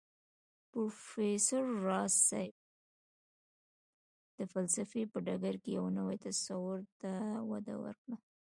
پروفېسر راز صيب د فلسفې په ډګر کې يو نوي تصور ته وده ورکړه